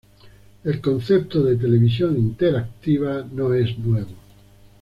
El concepto de Televisión Interactiva no es nuevo.